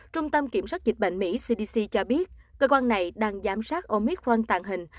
trung tâm kiểm soát dịch bệnh mỹ cdc cho biết cơ quan này đang giám sát omicron tạo hình